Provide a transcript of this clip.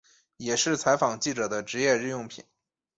也是采访记者的职业日用品。